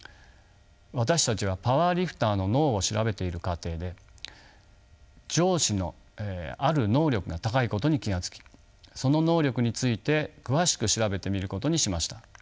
私たちはパワーリフターの脳を調べている過程で上肢のある能力が高いことに気が付きその能力について詳しく調べてみることにしました。